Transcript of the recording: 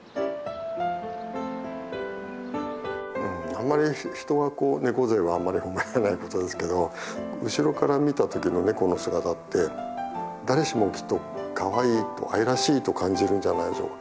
あんまり人はこう猫背はあんまり褒められないことですけど後ろから見た時のネコの姿って誰しもがきっとかわいいと愛らしいと感じるんじゃないでしょうか。